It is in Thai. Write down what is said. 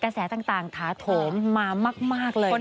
กระแสต่างทาโถมมามากเลยนะคะ